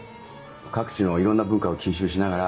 各地のいろんな文化を吸収しながら